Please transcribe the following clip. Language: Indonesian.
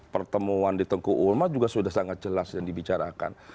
pertemuan di tengku ulma juga sudah sangat jelas yang dibicarakan